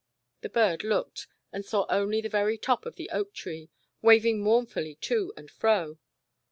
The bird looked, and saw only the very top of the oak tree, waving mournfully to and fro.